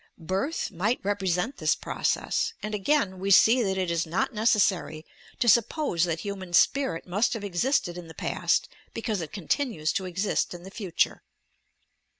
Birth might repre sent this process ; and again we see that it is not neces sary to suppose that human spirit must have existed in the past because it continues to exist in the future.